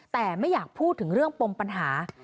แต่ไม่อยากพูดถึงเรื่องปมปัญหา